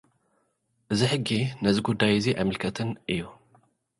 እዚ ሕጊ፡ ነዚ ጉዳይ'ዚ ኣይምልከትን እዩ።